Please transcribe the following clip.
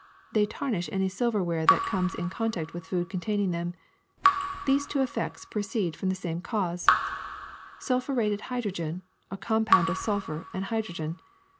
They tarnish any silverware that comes in contact with food containing them. These two effects proceed from the same cause, sulphureted hydrogen, a com pound of sulphur and hydrogen.